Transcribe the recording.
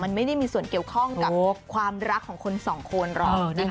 มันไม่ได้มีส่วนเกี่ยวข้องกับความรักของคนสองคนหรอกนะคะ